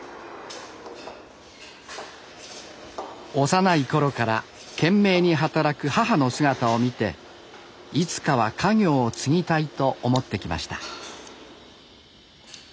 幼い頃から懸命に働く母の姿を見ていつかは家業を継ぎたいと思ってきました。